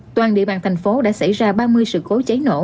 toàn địa bàn thành phố đã xảy ra ba mươi sự cố cháy nổ